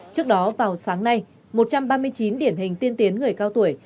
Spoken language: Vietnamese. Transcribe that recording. trước đó vào sáng nay một trăm ba mươi chín điển hình tiên tiến người cao tuổi